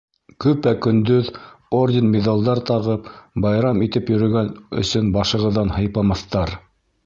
— Көпә-көндөҙ, орден-миҙалдар тағып, байрам итеп йөрөгән өсөн башығыҙҙан һыйпамаҫтар...